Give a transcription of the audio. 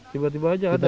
tiba tiba saja ada